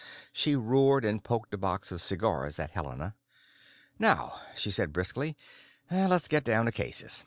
She roared and poked a box of cigars at Helena. "Now," she said briskly, "let's get down to cases.